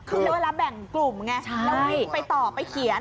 คือเรารับแบ่งกลุ่มไงต้องไปต่อไปเขียน